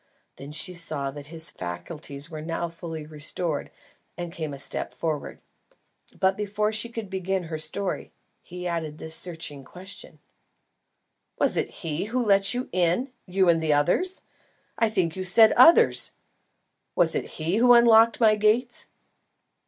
Then she saw that his faculties were now fully restored, and came a step forward. But before she could begin her story, he added this searching question: "Was it he who let you in you and others I think you said others? Was it he who unlocked my gates?"